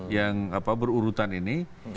yang berurutan ini